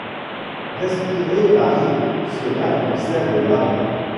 Respirer Paris, cela conserve l’âme.